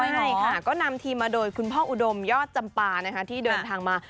ใช่ค่ะก็นำทีมมาโดยคุณพ่ออุดมยอดจำปานะคะที่เดินทางมา